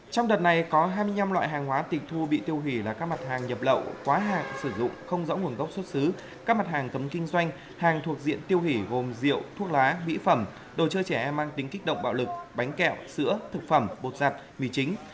trong đợt này có hai mươi năm loại hàng hóa tịch thu bị tiêu hủy là các mặt hàng nhập lậu quá hạn sử dụng không rõ nguồn gốc xuất xứ các mặt hàng cấm kinh doanh hàng thuộc diện tiêu hủy gồm rượu thuốc lá mỹ phẩm đồ chơi trẻ em mang tính kích động bạo lực bánh kẹo sữa thực phẩm bột giặt mì chính